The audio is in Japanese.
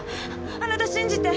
あなた信じて！